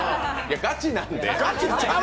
ガチなんで。